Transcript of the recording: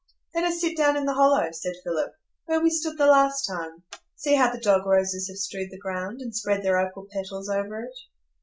"Let us sit down in the hollow," said Philip, "where we stood the last time. See how the dog roses have strewed the ground, and spread their opal petals over it."